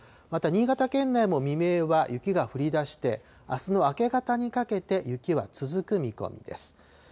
また新潟県内も未明は雪が降りだして、あすの明け方にかけて、雪は続く見込みです。